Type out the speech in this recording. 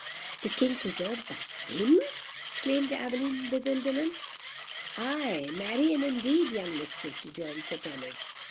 "The King preserved by him!" exclaimed Aveline, in bewilderment. "Ay, marry and indeed, young mistress," rejoined Sir Thomas.